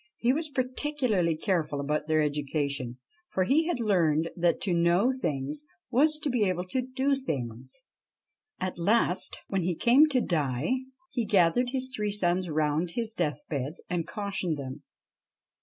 He was particularly careful about their education, for he had learned that to know things was to be able to do things. At last, when he came to die, he gathered his three sons round his deathbed and cautioned them.